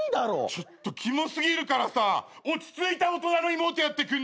ちょっとキモ過ぎるからさ落ち着いた大人の妹やってくんねえかな？